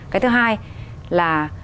cái thứ hai là